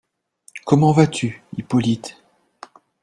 comment vas-tu, Hippolyte?